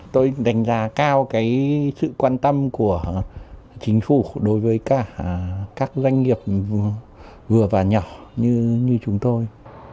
tôi đánh giá cao sự quan tâm của chính phủ đối với cả các doanh nghiệp vừa và nhỏ như chúng tôi